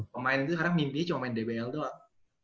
pemain itu sekarang mimpinya cuma main dbl doang